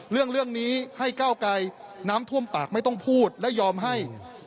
เรื่องนี้ให้ก้าวไกลน้ำท่วมปากไม่ต้องพูดและยอมให้